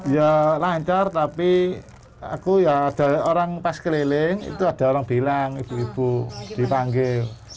ya lancar tapi aku ya ada orang pas keliling itu ada orang bilang ibu ibu dipanggil